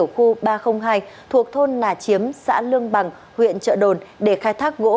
khu ba trăm linh hai thuộc thôn nà chiếm xã lương bằng huyện trợ đồn để khai thác gỗ